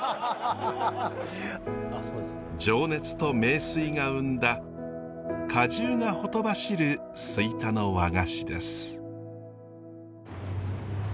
情熱と名水が生んだ果汁がほとばしる吹田の和菓子です。